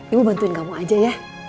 ibu bantuin kamu aja ya